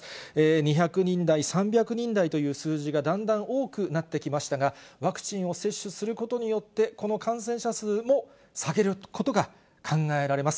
２００人台、３００人台という数字がだんだん多くなってきましたが、ワクチンを接種することによって、この感染者数も下げることが考えられます。